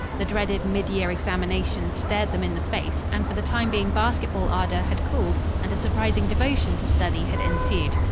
The dreaded mid year examinations stared them in the face, and for the time being basketball ardor had cooled and a surprising devotion to study had ensued.